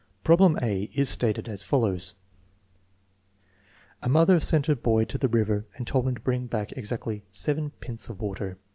Problem a is stated as follows: A mother sent Jier boy to the river and told him to bring back exactly 7 pints of water.